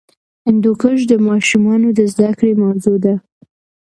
هندوکش د ماشومانو د زده کړې موضوع ده.